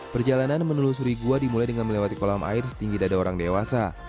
perjalanan menelusuri gua dimulai dengan melewati kolam air setinggi dada orang dewasa